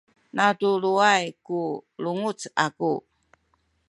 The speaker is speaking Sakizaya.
natuluway ku lunguc aku